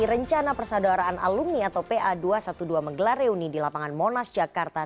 rencana persaudaraan alumni atau pa dua ratus dua belas menggelar reuni di lapangan monas jakarta